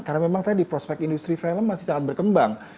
karena memang tadi prospek industri film masih sangat berkembang